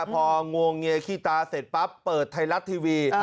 พองวงเงียขี้ตาเสร็จปั๊บเปิดไทยรัฐทีวี